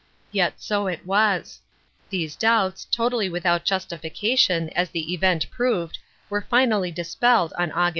Yet so it was. These doubts, totally without justification as the event proved, were finally dispelled on Aug.